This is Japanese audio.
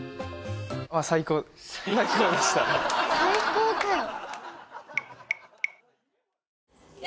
さ・最高かよ